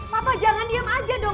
papa jangan diam aja dong